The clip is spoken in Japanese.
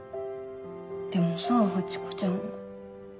でもさハチ子ちゃん。